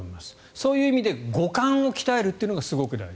そういう意味で五感を鍛えるというのがすごく大事。